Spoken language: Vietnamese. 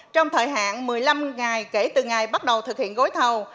trong thời hạn một mươi năm ngày kể từ ngày bắt đầu thực hiện gói thầu